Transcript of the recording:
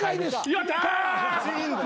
やった！